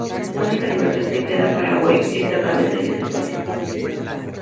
La única libertad que queda para Wade es la cabeza y es el patio.